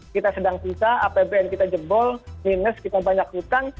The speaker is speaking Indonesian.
kita apbn kita jebol minus kita banyak hutang